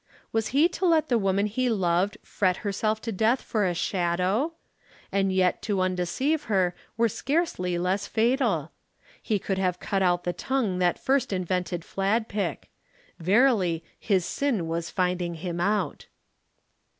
Was he to let the woman he loved fret herself to death for a shadow? And yet to undeceive her were scarcely less fatal. He could have cut out the tongue that first invented Fladpick. Verily, his sin was finding him out.